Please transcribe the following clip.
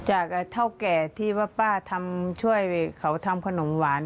จากเท่าแก่ที่ว่าป้าทำช่วยเขาทำขนมหวาน